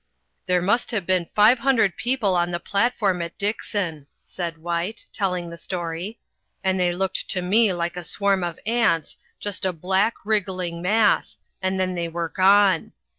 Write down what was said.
"There must have been five hundred people on the platform at Dixon," said White, telling the story, "and they looked to me like a swarm of ants, just a black, wriggling mass, and then they were gone.